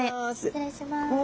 失礼します。